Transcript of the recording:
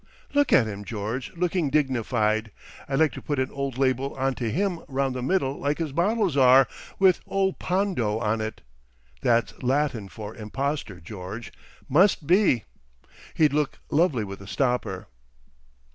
"Look at him, George, looking dignified. I'd like to put an old label on to him round the middle like his bottles are, with Ol Pondo on it. That's Latin for Impostor, George must be. He'd look lovely with a stopper."